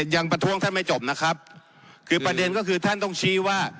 ประท้วงท่านไม่จบนะครับคือประเด็นก็คือท่านต้องชี้ว่า